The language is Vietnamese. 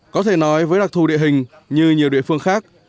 có thể nói với đặc thù địa hình như nhiều địa phương khác